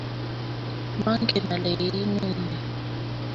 Mangen ale ii imin ne.